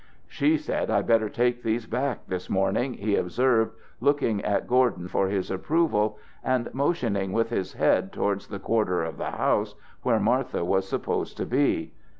"She said I'd better take these back this morning," he observed, looking at Gordon for his approval, and motioning with his head towards that quarter of the house where Martha was supposed to be.